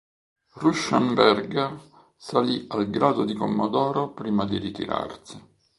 Ruschenberger salì al grado di commodoro prima di ritirarsi.